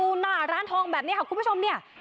หน้าร้านทองแบบนี้ค่ะคุณผู้ชมเนี่ย